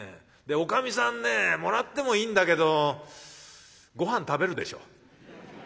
おかみさんねえもらってもいいんだけどごはん食べるでしょ。